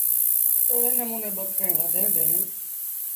ايڙي نموٚني ٻڪريݩ وڌيٚن ديٚݩ۔